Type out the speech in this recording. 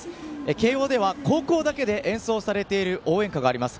慶応では高校だけで演奏されている応援歌があります。